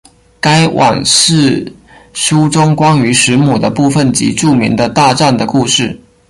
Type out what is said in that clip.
该往世书中关于时母的部分即著名的大战的故事。